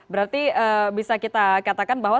berarti bisa kita katakan bahwa